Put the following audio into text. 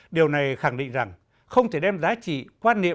điều này khẳng định rằng không thể đem giá trị quan niệm